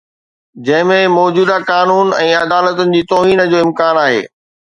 جنهن ۾ موجوده قانون ۽ عدالتن جي توهين جو امڪان آهي